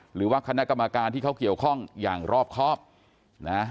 หรือว่าคณะกรรมการที่เขาเกี่ยวข้องอย่างรอบครอบนะ